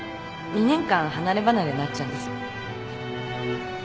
２年間離れ離れになっちゃうんです。